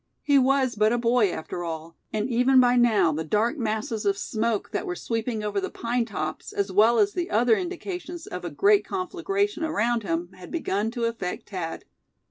He was but a boy, after all; and even by now the dark masses of smoke that were sweeping over the pine tops, as well as the other indications of a great conflagration around him, had begun to affect Thad.